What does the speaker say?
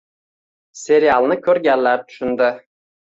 Serialni ko‘rganlar tushundi